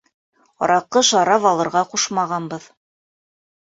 Араҡы, шарап алырға ҡушмағанбыҙ.